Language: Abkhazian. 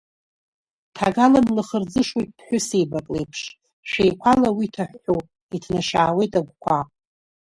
Ҭагалан лаӷырӡышоит ԥҳәысеибак леиԥш, шәеиқәала уи ҭаҳәҳәоуп, иҭнашьаауеит агәқәа…